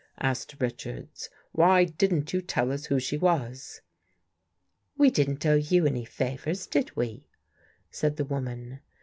asked Richards. " Why didn't you tell us who she was? " "We didn't owe you any favors, did we? " said the woman.